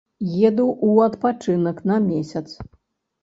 Еду ў адпачынак на месяц.